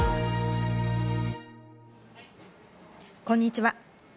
こんにちは。